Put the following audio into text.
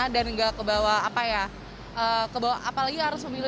dan gak kebawa apa ya kebawa apa lagi harus memilih